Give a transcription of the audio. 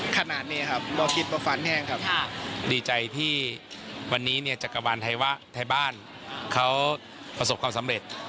ใครที่วันนี้เนี่ยจักรวาลไทยวะไทยบ้านเขาประสบความสำเร็จ